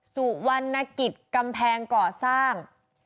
สุวรรณกิจกำแพงก่อสร้าง